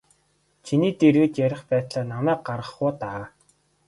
Чиний дэргэд ярих байтлаа намайг гаргах уу даа.